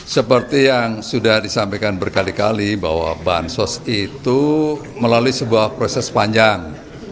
seperti yang sudah disampaikan berkali kali bahwa bansos itu melalui sebuah proses panjang